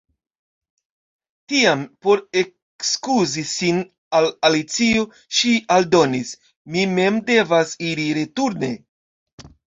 Tiam por ekskuzi sin al Alicio ŝi aldonis: "Mi mem devas iri returne. »